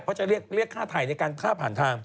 เพราะจะเรียกค่าถ่ายในการฆ่าผ่านทาง